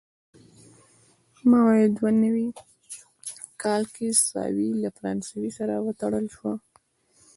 په ویا دوه نوي کال کې ساوې له فرانسې سره وتړل شوه.